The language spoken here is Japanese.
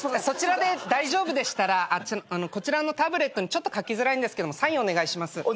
そちらで大丈夫でしたらこちらのタブレットにちょっと書きづらいんですけどもサインお願いします。